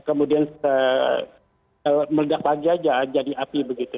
kemudian meledak lagi aja jadi api begitu